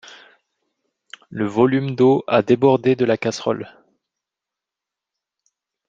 le volume d'eau a débordé de la casserole